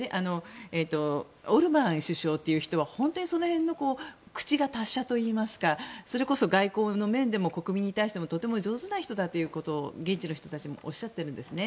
オルバーン首相という人は本当にその辺の口が達者といいますかそれこそ、外交の面でも国民に対してもとても上手な人だということを現地の人たちもおっしゃっているんですね。